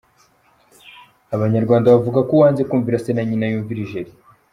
Abanyarwanda bavuga ko “Uwanze kumvira Se na Nyina yumviye ijeri”.